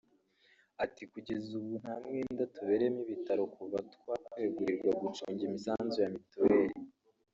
Ati " Kugeza ubu nta mwenda tubereyemo ibitaro kuva twakwegurirwa gucunga imisanzu ya mituweli